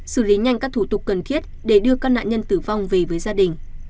xử lý nhanh các thủ tục cần thiết để đưa các nạn nhân tử vong về với gia đình